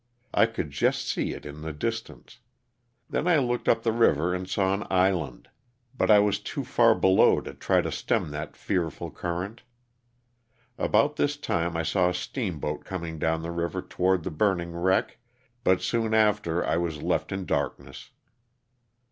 I could just see it in the distance. Then I looked up the river and saw an island, but I was too far below to try to stem that fearful current. A.bout this time I saw a steamboat coming down the river toward the burning wreck, but soon after I was left in darkness.